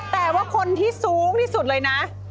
แต่ว่าคนที่สูงที่สุดเลยนะ